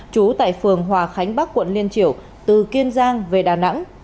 trú tại phường hòa khánh bắc quận liên triểu từ kiên giang về đà nẵng